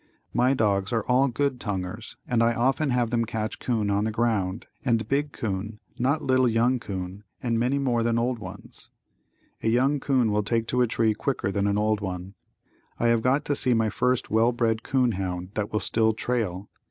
My dogs are all good tonguers and I often have them catch 'coon on the ground and big 'coon, not little young 'coon any more than old ones. A young 'coon will take to a tree quicker than an old one. I have got to see my first well bred 'coon hound that will still trail.